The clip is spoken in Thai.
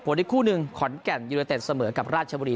อีกคู่หนึ่งขอนแก่นยูเนเต็ดเสมอกับราชบุรี